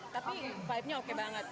tapi vibe nya oke banget